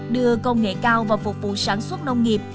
đưa công nghệ cao vào phục vụ sản xuất nông nghiệp